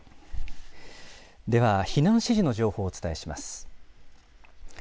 では避難指示の情報をお伝えします。